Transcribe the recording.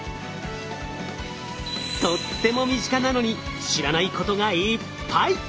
とっても身近なのに知らないことがいっぱい！